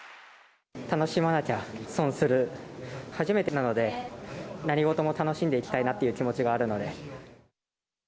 楽しまなきゃ損する、初めてなので、何事も楽しんでいきたいなっていう気持ちがあるので。